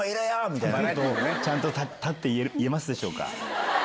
みたいな、ちゃんと立って言えますでしょうか？